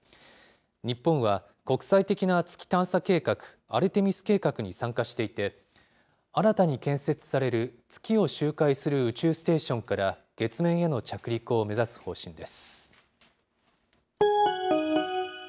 日本は国際的な月探査計画、アルテミス計画に参加していて、新たに建設される月を周回する宇宙ステーションから月面への着陸を目指す方針です。